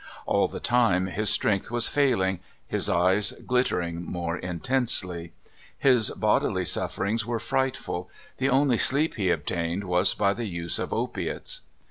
All the time his strength was faihng, his eyes glittering more intensely. His bodily suf ferings were frightful; the onlv sleep he obtained was by the use of opiates.